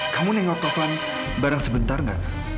kamu nengok taufan bareng sebentar nggak